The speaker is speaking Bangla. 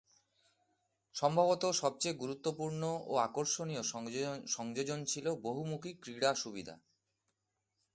সম্ভবত সবচেয়ে গুরুত্বপূর্ণ ও আকর্ষণীয় সংযোজন ছিল বহুমুখী ক্রীড়া সুবিধা।